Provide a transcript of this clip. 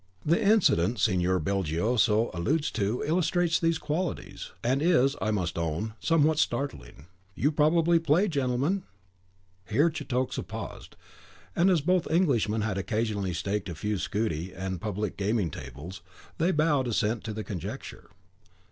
The incident Signor Belgioso alludes to, illustrates these qualities, and is, I must own, somewhat startling. You probably play, gentlemen?" (Here Cetoxa paused; and as both Englishmen had occasionally staked a few scudi at the public gaming tables, they bowed assent to the conjecture.)